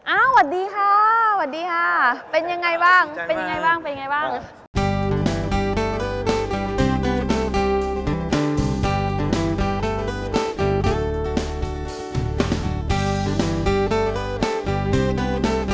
อ้าวหวัดดีค่ะหวัดดีค่ะเป็นยังไงบ้างเป็นยังไงบ้าง